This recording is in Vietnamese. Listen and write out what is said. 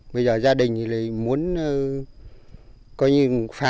bây giờ gia đình thì muốn coi như phá bỏ đi để chuyển đổi sang trồng cây khác